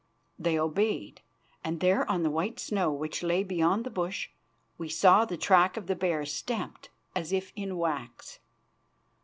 They obeyed, and there on the white snow which lay beyond the bush we saw the track of the bear stamped as if in wax.